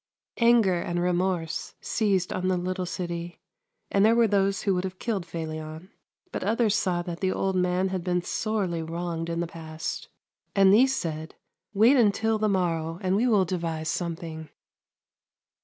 Anger and remorse seized on the little city, and there were those who would have killed Felion, but others saw that the old man had been sorely wronged in the past, and these said :" Wait until the morrow and we will devise something."